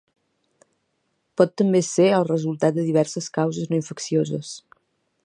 Pot també ser el resultat de diverses causes no infeccioses.